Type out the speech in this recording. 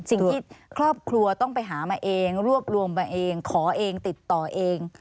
สิ่งที่ครอบครัวต้องไปหามาเองรวบรวมมาเองขอเองติดต่อเอง